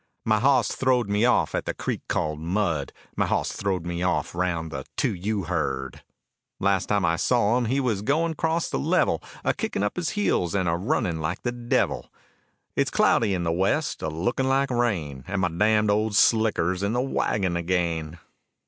My hoss throwed me off at the creek called Mud, My hoss throwed me off round the 2 U herd. Last time I saw him he was going cross the level A kicking up his heels and a running like the devil. It's cloudy in the West, a looking like rain, And my damned old slicker's in the wagon again.